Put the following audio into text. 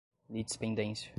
litispendência